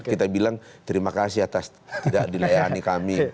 kita bilang terima kasih atas tidak dilayani kami